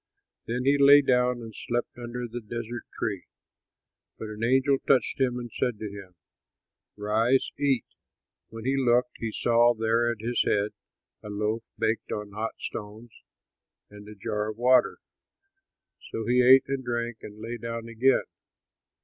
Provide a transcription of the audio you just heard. Then he lay down and slept under the desert tree, but an angel touched him and said to him, "Rise, eat!" When he looked, he saw there at his head a loaf, baked on hot stones, and a jar of water. So he ate and drank and lay down again.